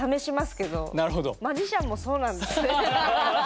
マジシャンもそうなんですね。